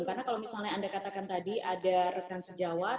karena kalau misalnya anda katakan tadi ada rekan sejawat